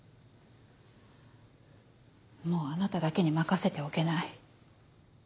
もうあなただけに任せておけない。